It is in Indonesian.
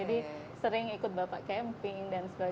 jadi sering ikut bapak camping dan sebagainya